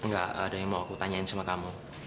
gak ada yang mau aku tanyain sama kamu